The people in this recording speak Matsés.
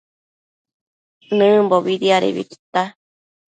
Nëmbobi diadebi tita